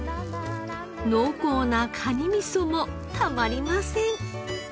濃厚なカニみそもたまりません。